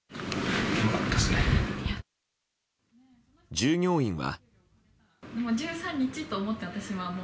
従業員は。